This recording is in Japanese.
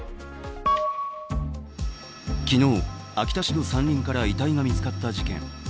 昨日、秋田市の山林から遺体が見つかった事件。